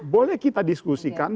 boleh kita diskusikan